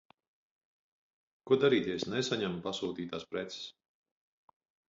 Ko darīt, ja es nesaņemu pasūtītās preces?